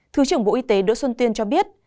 thứ trưởng bộ y tế đỗ xuân tuyên cho biết